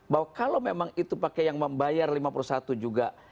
bahwa kalau memang itu pakai yang membayar lima puluh satu juga